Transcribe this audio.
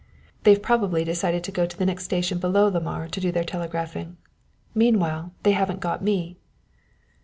They've probably decided to go to the next station below Lamar to do their telegraphing. Meanwhile they haven't got me!"